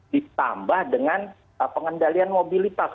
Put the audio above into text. ditambah dengan pengendalian mobilitas